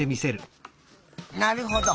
なるほど。